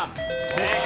正解。